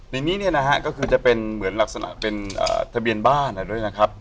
ในนี้เนี่ยนะฮะก็คือจะเป็นเหมือนลักษณะเป็นทะเบียนบ้านด้วยนะครับ